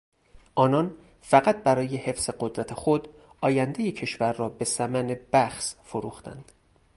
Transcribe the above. آنان فقط برای حفظ قدرت خود آیندهی کشور را به ثمن بخس فروختند.